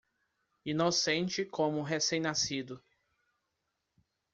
Inocente como recém-nascido.